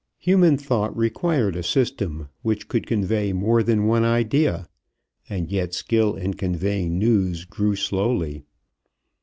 Human thought required a system which could convey more than one idea, and yet skill in conveying news grew slowly.